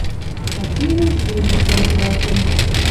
Партийный съездеш йӓмдӹлӓлтӹн.